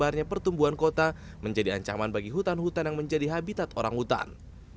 besarnya pertumbuhan kota menjadi ancaman bagi hutan hutan yang menjadi habitat orang hutan